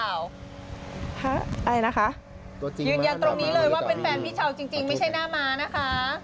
อะไรนะคะตัวจริงยืนยันตรงนี้เลยว่าเป็นแฟนพี่เช้าจริงไม่ใช่หน้าม้านะคะ